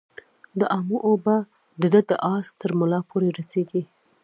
د امو اوبه د ده د آس ترملا پوري رسیږي.